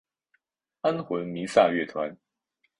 安魂弥撒乐团。